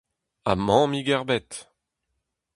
Ha mammig ebet !